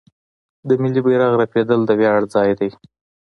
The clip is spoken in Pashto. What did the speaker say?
د ملي بیرغ رپیدل د ویاړ ځای دی.